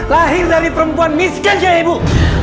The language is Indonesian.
lahir dari perempuan miskin aja ibu